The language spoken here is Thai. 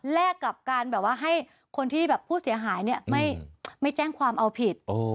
แลกกับกันให้คนที่ผู้เสียหายอย่างนั้นไม่แจ้งความเอาผิด